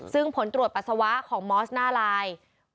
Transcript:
ซึ่งผลตรวจปัสสาวะของมอสหน้าลาย